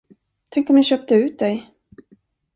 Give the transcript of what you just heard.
Tänk om jag köpte ut dig?